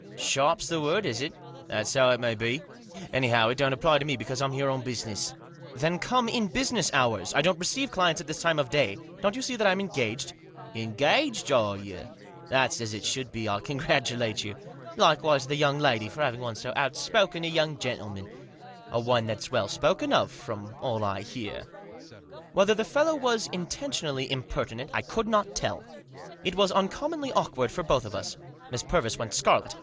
" Sharp's the word, is it ? That's how it may be. Anyhow, it don!t apply to me, because Pm here on business." ," Then come in business hours. I don't receive clients at this time of day. Don't you see that Pm engaged ?" "Engaged, are you? That's as it should be. I congratulate you. Likewise the young lady, for having won so outspoken a youngf, gentleman ; and one that's well spoken of, from all I beSr." Whether the fellow was intentionally impertinent I could not tell. It was uncommonly awkward for both of us. Miss Purvis went scarlet.